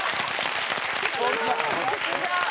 さすが！